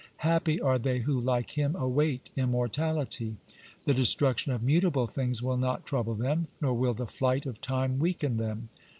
"^ Happy are they who, like him, await immortality .'s " The destruction of mutable things will not trouble them, nor will the flight of time weaken them."